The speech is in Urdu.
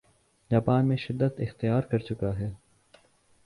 جاپان میں شدت اختیار کرچکا ہے